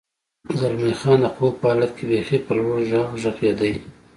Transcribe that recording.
زلمی خان: د خوب په حالت کې بېخي په لوړ غږ غږېدې.